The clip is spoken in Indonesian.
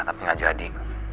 tapi nggak jadi